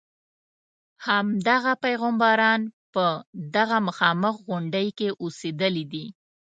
همدغه پیغمبران په دغه مخامخ غونډې کې اوسېدلي دي.